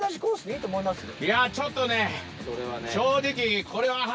いやちょっとね。